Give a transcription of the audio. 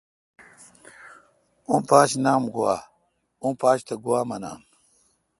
اوں پاچ نام گوا۔۔۔۔۔اوں پاچ تہ گوا منان